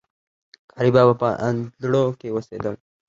قاري بابا په اندړو کي اوسيدل